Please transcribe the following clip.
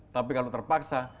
tapi kalau terpaksa